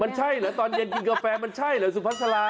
มันใช่เหรอตอนเย็นกินกาแฟมันใช่เหรอสุพัสรา